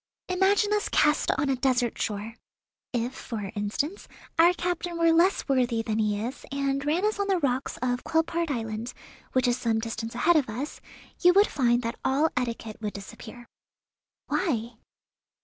Imagine us cast on a desert shore. If, for instance, our captain were less worthy than he is, and ran us on the rocks of Quelpaerd Island, which is some distance ahead of us, you would find that all etiquette would disappear." "Why?"